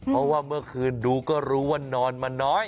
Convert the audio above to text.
เพราะว่าเมื่อคืนดูก็รู้ว่านอนมาน้อย